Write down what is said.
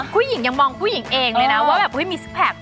ผู้หญิงยังมองผู้หญิงเองเลยนะว่าแบบมีซิกแพค